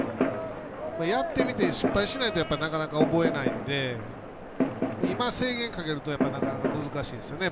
やってみて失敗しないとなかなか覚えないので今、制限かけると難しいですよね。